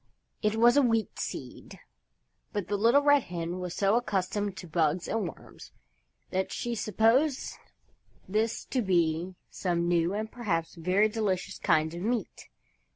It was a Wheat Seed, but the Little Red Hen was so accustomed to bugs and worms that she supposed this to be some new and perhaps very delicious kind of meat.